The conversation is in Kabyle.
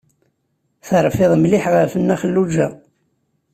Terfiḍ mliḥ ɣef Nna Xelluǧa.